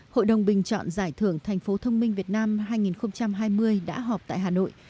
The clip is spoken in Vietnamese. hội đồng bình chọn giải thưởng thành phố thông minh việt nam hai nghìn hai mươi đã họp tại hà nội